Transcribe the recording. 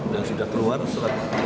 dan sudah keluar selain itu